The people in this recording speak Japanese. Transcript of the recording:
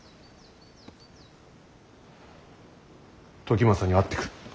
時政に会ってくる。